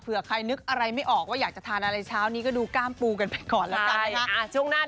ใครนึกอะไรไม่ออกว่าอยากจะทานอะไรเช้านี้ก็ดูกล้ามปูกันไปก่อนแล้วกันนะคะ